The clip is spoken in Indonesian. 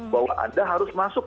bahwa anda harus masuk